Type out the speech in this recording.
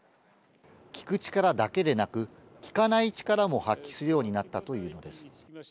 聞く力だけでなく、聞かない力も発揮するようになったというのです。